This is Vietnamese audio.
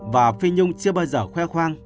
và phi nhung chưa bao giờ khoe khoang